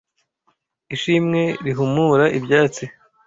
ishimwe rihumura ibyatsi